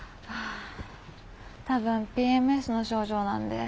多分ＰＭＳの症状なんで。